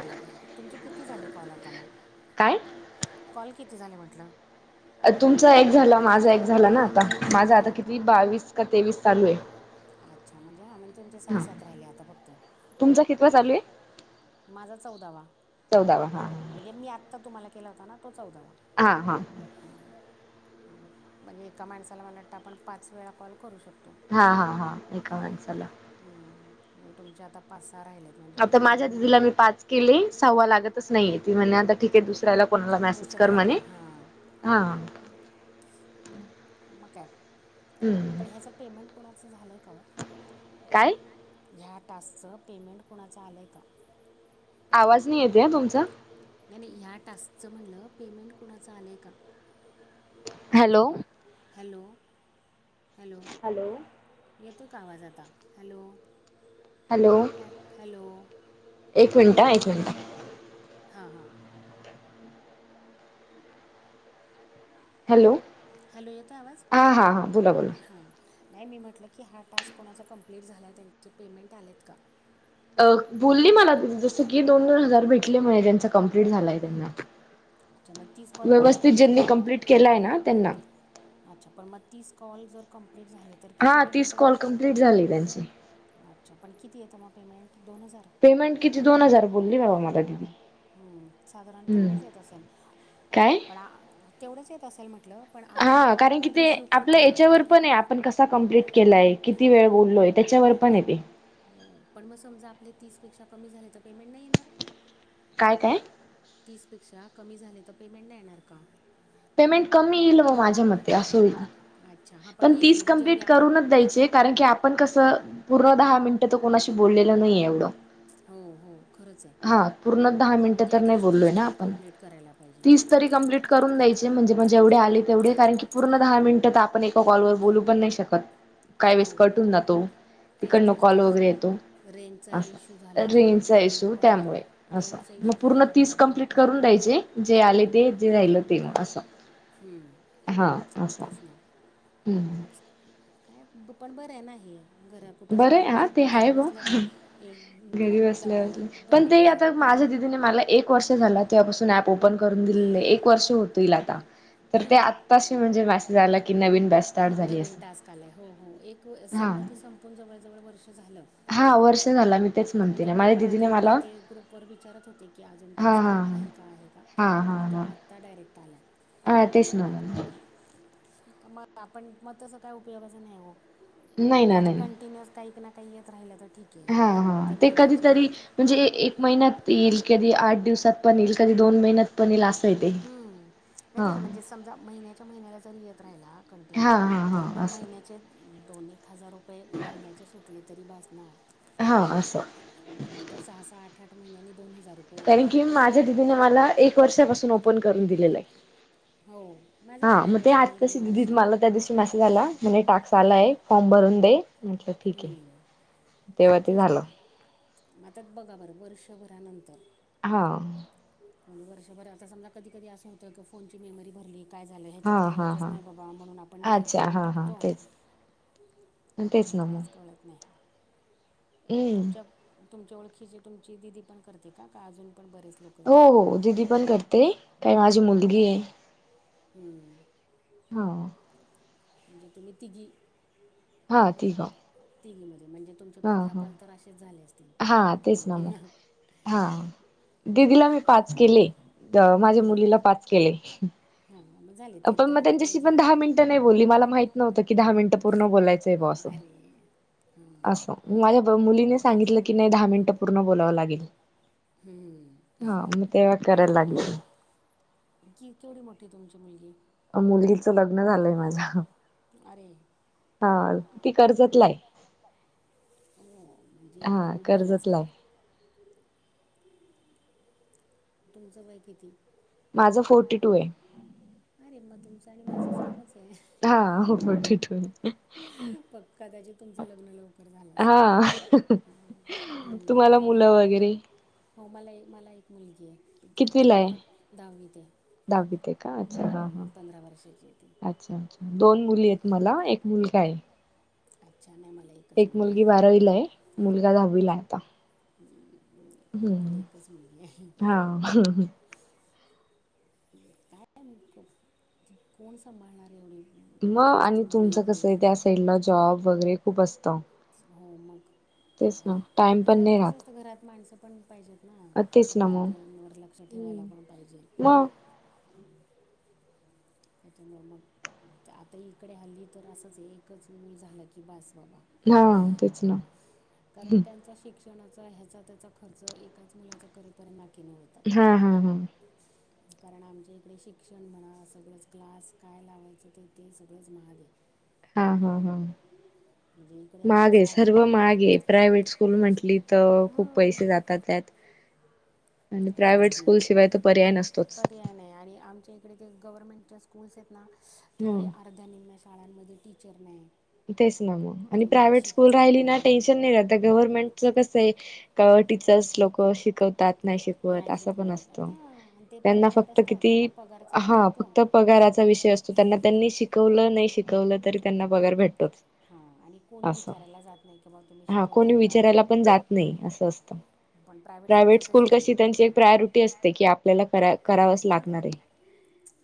बोला बोला तुमचे किती झाले कॉल आता मग? काय? कॉल किती झाले म्हटलं? तुमचा एक झालं माझा एक झाला ना आता माझा आता किती बावीस का तेवीस चालू आहे. अच्छा म्हणजे हा म्हणजे तुमचे सहा हा. सात राहिले आता फक्त. तुमचा कितवा चालू आहे? माझा चौदावा, चौदावा हा. म्हणजे मी आत्ता तुम्हाला केला होता ना तो चौदावा. आ हा. हा म्हणजे एका माणसाला मला वाटतं आपण पाच वेळा कॉल करू शकतो. हा हा हा एक माणसाला. हम्म म्हणजे तुमचे आता पाच सहा राहिलेत. म्हणजे मग आता माझ्या तुम्ही दिदीला मी पाच केले, सहावा लागतच नाहीेये ती म्हणली आता ठीक आहे दुसऱ्याला कोणाला मॅसे दुसऱ्याला कर हां. हां हां. मग का हम्म पण ह्याचं पेमेंट कुणाचं झालंय का हो? काय? ह्या टास्कचा पेमेंट कुणाचं आलंय का? आवाज नाही येतोय हा तुमचा. नाही नाही ह्या टास्कचं म्हटलं पेमेंट कुणाचं आलंय का? हॅलो. Hello, hello. येतोय का आवाज आता, हॅलो. हॅलो हॅल हॅलो एक मिनटं, एक मिनटं. हां हां. हॅलो हॅलो, येतोय आवाज हा हा हा बोला बोला. हा. नाही मी म्हटलं की हा टास्क कोणाचा कंप्लीट झालाय त्यांचे पेमेंट आलेत का? अ बोलली मला जसं की दोन-दोन हजार भेटले म्हणे ज्यांचा कंप्लीट झालाय त्यांना. अच्छा मग तीस कॉल पूर्ण व्यवस्थित झाले तर ज्यांनी कंप्लीट केलाय ना त्यांना. अच्छा पण म तीस कॉल जर कम्प्लीट झालेत. हा तीस कॉल कंप्लीट झाले त्यांचे. अच्छा पण किती येतं म पेमेंट दोन हजार? पेमेंट किती दोन हजार बोलली बाबा मला दिदी. हम्म साधारण हम्म तेवढंच येत असेल, काय पण आ तेवढंच येत असेल म्हटलं. पण आपण हा कॉल कारण की पण ते रिसीव आपल्या करतो ना याच्यावर पण आहे आपण कसा कंप्लीट केलाय किती वेळ बोललोय त्याच्यावर पण आहे ते. हो, पण मग समजा आपले तीस पेक्षा कमी झाले तर पेमेंट नाही येणार? काय- काय? तीसपेक्षा कमी झाले तर पेमेंट नाही येणार का? पेमेंट कमी येईल व माझ्या मते असं होईल अच्छा हां पण येईल तीस म्हणजे जेवढे कंप्लीट आपण करूनच द्यायचे कारण की आपण कसं पूर्ण दहा मिनिटं तर कोणाशी बोललेलं नाहीे एवढं. हो हो खरंच आहे हा, पूर्ण दहा मिनटं म्हणजे तर नाही ॲटलिस्ट बोललोय तीस ना तरी आपण, कंप्लीट करायला पाहिजे तीस तरी कंप्लीट करून द्यायचे. जे म्हणजे जेवढे आले तेवढे कारण की, पूर्ण दहा मिनिटं आपण एका कॉलवर बोलू पण नाही शकत. काय वेळेस हो कट हून जातो, तेच तिकडन तेच कॉल तेच वगैरे येतो रेंजचा असं. इशू झाला की मग रेंजचा प्रॉब्लेम इशू पण होतो त्यामुळे असं, रेंजचा मग इशू झाला पूर्ण का तीस प्रॉब्लेम कंप्लीट होतो करून द्यायचे? जे आले ते, जे राहिलं ते असं. हम्म, हा असं. तेच ना हम्म. काय पण बरंय ना हे, घरात कुठं बरं आहे हा जाण्यापेक्षा ते आपलं घर आहे बसल्या ब एक, घरी दोन दा बसल्या बसल्या दोन, पण एक ते हजार आता रुपये आले माझ्या दिदीने मला एक वर्ष झाला तेव्हापासून अँप ओपन करून दिलेलं. एक वर्ष होतील आता. तर ते हम्म, आत्ताशी म्हणजे मेसेज आला की, नवीन बॅच स्टार्ट झाली नवीन असं. टास्क पण जवळजवळ वर्ष झालं. हा वर्ष झाला मी तेच [unintelligible] म्हणते म्हणजे ना मी माझ्या पण आधे दिदीने मला मधे ते ग्रुप वर विचारत होते की, अजून हा टास्क हा आहे का? आहे का? हा हा पण तो हा हा आता डायरेक्ट आलाय. हा, तेस ना मग. मग आपण मग तस काय उपयोगाचं नाही आहे, नाही म्हणजे ना आता नाही कंटिन्युअस काही एक ना, काही येत राहिलं तर, ठीक. आहे हा मग हा, ते महिन्याचे कधीतरी म्हणजे ए एक महिन्यात येईल, कधी आठ दिवसात पण येईल, कधी दोन महिन्यात पण येईल असं आहे ते हम्म, नाही हा तेच म्हणजे समजा, महिन्याच्या महिन्याला जरी येत राहिला कंटिन्यू हा हा तरी पण हा असं महिन्याचे दोन, एक हजार रुपये महिन्याचे सुटले तरी बास ना. हा, असं. ते सहा, सहा, आठ, आठ महिन्यांनी दोन हजार रु कारण की, माझ्या दिदीने मला एक वर्षापासून ओपन करून दिलेलं हाय. हो माझं हा पण म ते आज जवळजवळ एक कशी दीड वर्ष दिदीच मला त्या दिशी मॅसेज आला म्हणे टाक्स आलाय, फॉर्म भरून दे, म्हटल ठीक आहे. हम्म. तेव्हा ते झालं. म आता बघा बरं, वर्षभरानंतर हा. म वर्षभर आता समजा, कधी कधी असं होतं की, फोनची मेमरी भरली काय झालं? हा ह्याच्यात काही हा येतच हा. नाही बघा, म्हणून आपण डिलेट अच्छा करून हा हा टाकतो. तेच पण तेच ना मग काहीच कळत नाही. हम्म. तुमच्यात तुमच्या ओळखीची तुमची दिदी पण करते का? का अजून पण बरेच लोक? हो आहेत हो, दिदी पण करते. [unintelligible] माझी मुलगी आहे. हम्म. हा. म्हणजे तुम्ही तिघी? हा ठीक आहे तिघी मध्ये म्हणजे तुम्ही हा पंधरा हा कॉल तर असेच झाले असतील, हा तेच ना मग एकामेकींना. हा, दिदीला मी पाच केले, माझ्या मुलीला पाच केले. हं हं, म झाले. ते आपण दहा मग तिकडेच त्यांच्याशी पण झाले दहा मिन [unintelligible] नाही बोली. मला माहित नव्हत की, दहा मिनिटं पूर्ण बोलायचं आहे बुआ असं, अरे असं. माझ्या ब मुलीने सांगितलं की, नाही दहा मिनट पूर्ण बोलावं लागेल. हम्म. हा, म तेव्हा करायला लागले. नेमकी केवढी मोठी आहे तुमची मुलगी? अहो मुलगीच लग्न झालंय माझ्या. अरे- हा ती कर्जतला आहे. हो, म्हणजे इकडे हा मुंबईलाच कर्जतला की. आहे तुमचं वय किती. माझं फोर्टी टू आहे. अरे, मग तुमचं आणि माझं सेमच आहे. हा हो फोर्टी टू आहे. पक्का, त्याच्यात तुमचं लग्न लवकर झालं असेल हा. हं तुम्हाला गावाय मुलं वगैरे हो, मला एक मुलगी आहे. ती कितवीला आहे आत्ता दहावीत आहे. दहावीत आहे का अच्छा हा हा. हम्म पंधरा वर्षाची आहे ती. अच्छा, अच्छा. दोन मुली आहेत मला, एक मुलगा आहे. अच्छा नाही मला एकच एक मुलगी बारावीला आहे, मुलगा दधहावीला आहे आत्ता. हम्म, मला हम्म एकच मुलगी आहे हा हं हं. [inaudible] कोण संभाळणार एवढी मग जास्त आणि मुलं तुमचं कसं इकडे आहे त्या साईडला, जॉब वगैरे खूप असतं. हो, मग तेच ना आणि टाइम पण घरात नाही कसं राहत असतं? घरात माणसं पण पाहिजेत ना. अ, तेच ना मग लेकरांवर लक्ष ठेवायला हम्म. पण पाहिजे. मग त्याच्यामुळं मग आता इकडे हल्ली तर असंच, एकच मूल झालं की बास बाबा. हा तेच ना. कारण त्यांचा शिक्षणाचा, ह्याचा त्याचा खर्च एकाच मुलाचा करेपर्यंत [unintelligible] होेतात. हा हा हा कारण आमच्याकडे शिक्षण म्हणा, सगळंच क्लास काय लावायचं तर ते सगळंच महाग आहे. [inaudible] हा, हा, हा. म्हणजे इकडे आता महाग आहे, सा सर्व महाग आहे. प्रायव्हेट स्कूल म्हंटली तर खूप पैसे हां जातात त्यात. आणि तेच प्रायव्हेट कि स्कूल शिवाय तर पर्याय नसतोच. पर्याय नाही आणि आमच्याई तिकडे ते गव्हर्नमेंटच्या स्कूल्स आहेत ना, तिकडे हम्म अर्ध्या निम्या शाळांमध्ये टीचर नाही. तेच ना, मग आणि ते नीट प्रायव्हेट स्कूल शिकवत राहिली ना, टेन्शन नाही राहत. गव्हर्नमेंटचं कसं आहे? काही टीचर्स लोक शिकवतात, नाही शिकवत नाही असा पण शिकवत असत. आणि त्या आणि ते त्यांना परमनंट फक्त असतात किती त्यांना पगार चालू हा राहतो फक्त पगाराचा विषय असतो. त्यांना त्यांनी शिकवलं, नाही शिकवलं, तरी त्यांना पगार भेटतोच. हां आणि कोणी असं विचारायला जात नाही की बा तुम्ही हा, कोणी शिकवताय का विचारायला पण जात नाही, असं असतं. पण स्कूलचं प्रायव्हेट स्कूल तसं नाही कशी, त्यांची एक प्रायोरिटी असते की आपल्याला करावंच लागणार हां आहे.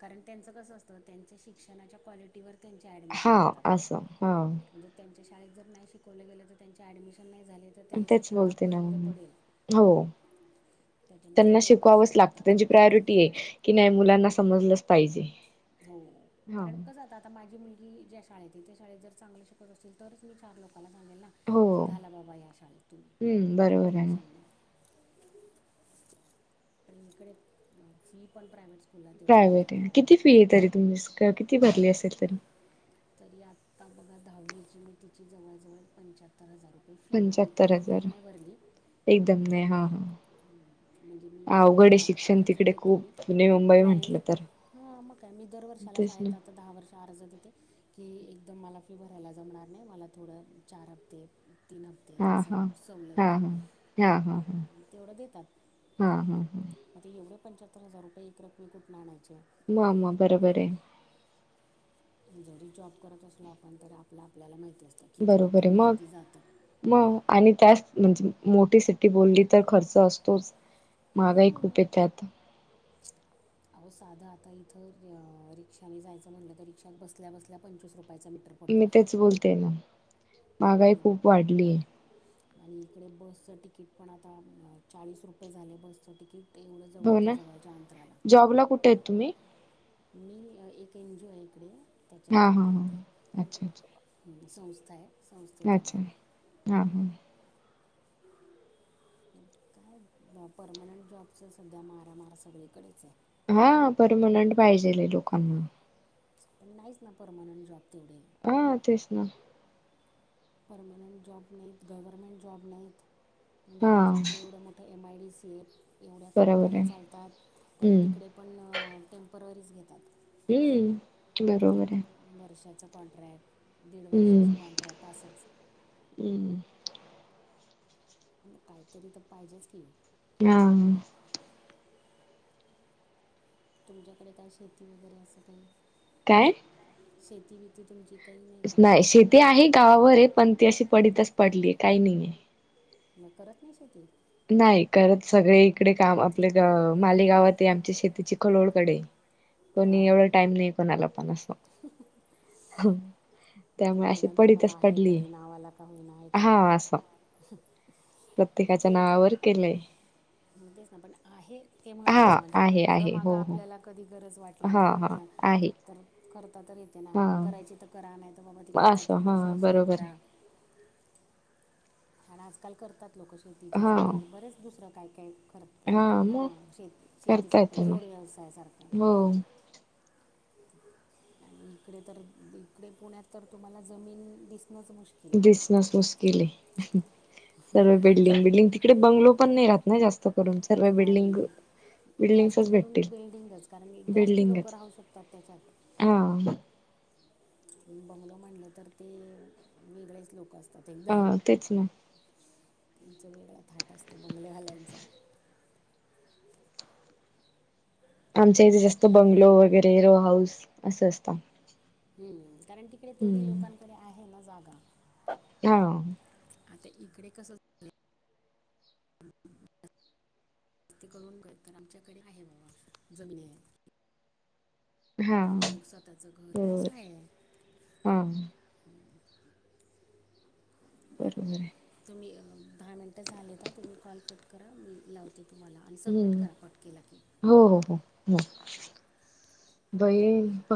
कारण त्यांचं कसं असतं, त्यांच्या शिक्षणाच्या क्वालिटी क्वालिटीवर त्यांचे ॲडमिशन हा होतात ना. असं हा जर त्यांच्या शाळेत जर नाही शिकवलं गेलं, तर त्यांचे ॲडमिशन नाही झाले तर त्यांचं तेच शाळा बोलते ना, बंद पडेल हो त्याच्यामुळे त्यांना बरोबर शिकवावंच लागतं, शिकवतात त्यांची प्रायोरिटी आहे की नाही, मुलांना समजलंच पाहिजे. हो हा. कारण कसं आता आता माझी मुलगी ज्या शाळेत आहे, त्या शाळेत जर चांगलं शिकत असतील, तरच मी चार लोकांना सांगेल ना की हो घाला बाबा या शाळेत, तुम्ही हम्म काही बरोबर आहे ना. टेन्शन नाही. इकडे फी पण प्रायव्हेट. स्कूलला तेवढी प्रायव्हेट घेतात हाय, हो. किती फी आहे तरी तुम्ही किती भरली असेल तरी? तरी आत्ता बघा दहावीची मी तिची जवळजवळ पंच्याहत्तर हजार रुपये फी आहे मी पंच्याहत्तर काही एकदम हजार. नाही भरली. एकदम नाही हा हा म्हणजे मी अवघड शाळेत आहे आर, शिक्षण अर्ज तिकडे देतोय खूप मी. पुणे मुंबई नाही म्हंटलं तर. हा मग काय मी दर वर्षाला तेच ना शाळेत आता दहा वर्ष अर्ज देते. की एकदम मला फि भरायला जमणार नाही, मला थोडं चार हप्ते तीन हप्तेेत हा असं हा सवलत हा द्या, हा हा हा हा. तेवढं देतात. हा, हा, हा. मग एवढे पंच्याहत्तर हजार रुपये एक रकमी कुठन आणायचे. म, म बरोबर हेय. हे जरी जॉब करत असला, आपण तरी आपल आपल्याला माहिती असत. बरोबर मग. मग आणि काय म्हणजे मोठी सिटी बोलली तर खर्च असतोच. माहागाही खूप आहे त्यात. [inaudible] अहो साधं आता इथं रिक्षाने जायचं म्हटलं तर रिक्षात बसल्या, बसल्या पंचवीस रुपयाचं मीटर. मी पडतो तेच बोलते ना, महागाई मग खूप वाढलीय. आणि इकडे बसचं तिकीट पण आता चाळीस रुपये झाल बसचं तिकीट. एवढं हो जवळच्या, ना जवळच्या अंतराला. जॉबला कुठे आहेत तुम्ही? मी एक एनजीओ आहे इकडे, त्याच्यात हा जॉब हा करते. हा अच्छा अच्छा म्हणजे संस्था हाय. अच्छा, नाही. मी परमनंट जॉबच सध्या मारामार सगळीकडेच हाय. हा परमनंट पाहिजेल हेल लोकांना. पण नाहीच ना परमनंट जॉब तेवढ. हा तेच ना. परमनंट जॉब नाहीत, गव्हर्मेंट जॉब नाहीत, म्हणजे हा आमच्या इकडे एवढं मग एम आय डी सी एवढ्या बरोबर कंपन्या आहे. चालतात. पण हम्म तिकडे पण, टेम्पररीच घेतात. हम्म. बरोबर हाय. वर्षाचं कॉन्ट्रॅक्ट, दीड वर्षाचं कॉन्ट्रॅक्ट, असंच. हमं. म काहीतरी हित पाहिजेच की. हा. तुमच्याकडे काय शेती वगैरे असं काय? काय? शेती-बेती ती तुमची काय नाही. का नाही शेती आहे गावावरे पण ती अशी पडीतच पडलीय. काही नाहीये. म करत नाही शेती? नाही करत सगळे इकडे काम आपले अ माले गावात आमची शेतीची खलोळकडे. पण एवढं हां टईम नाही कोणाला पण अस. पण त्यामुळे अशी निदान तुम्हाला पडीतच आहे पडलीय, तरी नावाला का होईना आहे तरी हा असं. प्रत्येकाच्या नावावर केलंय. म्हणजेच ना पण. आहे ते महत्त्वाचं. हा म्हणजे आहे पुढं आहे माग हो हो आपल्याला कधी गरज वाटल, हा काय हा वाटलं, आहे तर करता तर येते ना, हा करायची करा नाहीतर मग बाबा तिकडे असं कायतरी हा दुसरं सुरु बरोबर करा. आहे पण आज काल करतात लोकं. शेतीच्या हा जागेवर, बरेच दुसरं काय काय करतात. हा करतात ना. मग शेती करता येत शेतीसारखं मग जोड व्यवसायासारखं. हो आणि इकडे तर, इकडे पुण्यात तर, तुम्हाला जमीन दिसणंच मुश्कील दिसणस मुश्किल हे सरोगेट बिल्डिंग बिल्डिंग तिकडे बंगलो पण नाही राहत ना, जास्त करून. सर्व आहे बिल्डिंग नाही जास्ती बिल्डिंग्सच करून भेटतील बिल्डिंगच, कारण मी जास्ती लोकं बिल्डिंगच राहू शकतात त्याच्यात. हा. [inaudible] बंगलो म्हणलं तर ते, वेगळेच लोक असतात हा एकदम. तेच ना त्याचा वेगळा थाट असतो, बंगले वाल्यांचा. आमच्या इथे जास्त बंगलो वगैरे. रो हाऊस असं असत. हम्म, कारण तिकडे तेवढी लोकांकडे आहे ना जागा. हा. आता इकडे कस. [unintelligible] जास्त करून, घे तर आमच्याकडे आहे बा, जमिनी आहे. हा. आपलं स्वतःचं घर होय. असं आहे हा. बरोबर आहे. तुम्ही, दहा मिनटं झालेत ह. तुम्ही कॉल कट करा. मी लावते तुम्हाला. आणि सबमिट हम्म करा, कट केला की. हो, हो, हो, हो. बाय.